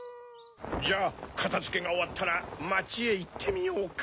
じゃあかたづけがおわったらまちへいってみようか。